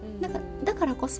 だからこそ